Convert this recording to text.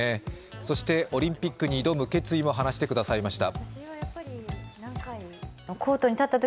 そしてオリンピックに挑む決意も話してくださいました。